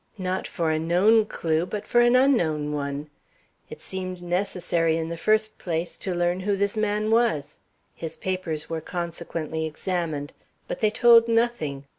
Not for a known clew, but for an unknown one. It seemed necessary in the first place to learn who this man was. His papers were consequently examined. But they told nothing.